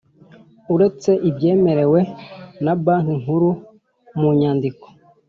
Uretse ibyemerewe na Banki Nkuru mu nyandiko